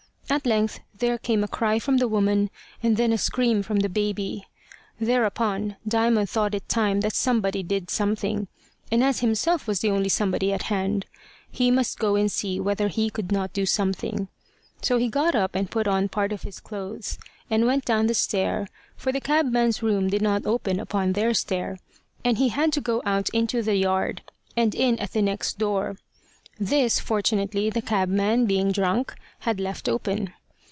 At length there came a cry from the woman, and then a scream from the baby. Thereupon Diamond thought it time that somebody did something, and as himself was the only somebody at hand, he must go and see whether he could not do something. So he got up and put on part of his clothes, and went down the stair, for the cabman's room did not open upon their stair, and he had to go out into the yard, and in at the next door. This, fortunately, the cabman, being drunk, had left open.